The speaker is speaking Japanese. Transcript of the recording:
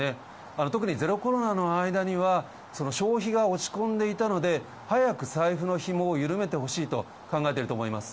特にゼロコロナの間には消費が落ち込んでいたので、早く財布のひもを緩めてほしいと考えてると思います。